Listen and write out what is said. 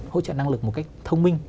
hỗ trợ năng lực một cách thông minh